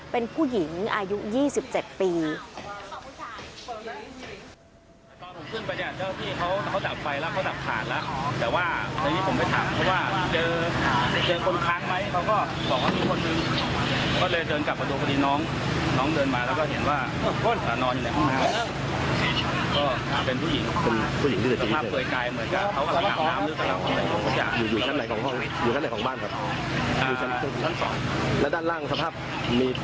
เป็นผู้หญิงอายุ๒๗ปี